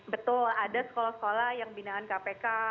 betul ada sekolah sekolah yang binaan kpk